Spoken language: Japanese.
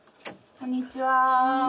こんにちは。